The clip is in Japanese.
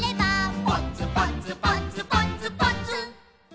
「ポツポツポツポツポツ」